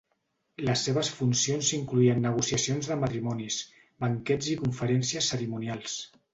Les seves funcions incloïen negociacions de matrimonis, banquets i conferències cerimonials.